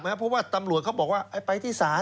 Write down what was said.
เพราะว่าตำรวจเขาบอกว่าไปที่ศาล